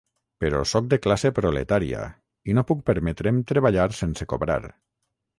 Però sóc de classe proletària i no puc permetre’m treballar sense cobrar.